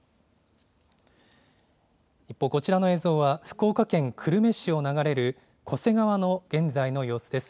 一方、こちらの映像は福岡県久留米市を流れる巨瀬川の現在の様子です。